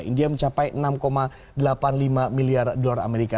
india mencapai enam delapan puluh lima miliar dolar amerika